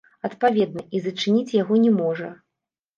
Адпаведна, і зачыніць яго не можа.